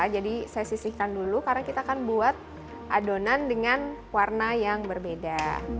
jadi saya sisihkan dulu karena kita akan buat adonan dengan warna yang berbeda